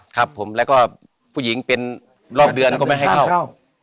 ครับผมแล้วก็ผู้หญิงเป็นรอบเดือนก็ไม่ให้เข้า